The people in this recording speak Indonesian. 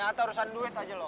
ternyata urusan duit aja lo